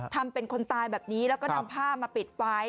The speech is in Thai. ทำเป็นคนตายแบบนี้แล้วก็นำผ้ามาปิดไว้